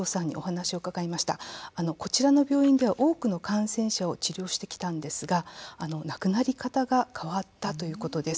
こちらの病院では多くの感染者を治療してきたんですが亡くなり方が変わったということです。